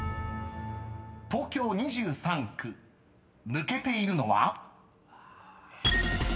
［東京２３区抜けているのは？］